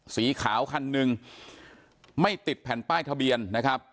สีขาวคันหนึ่งไม่ติดแผ่นป้ายทะเบียนนะครับ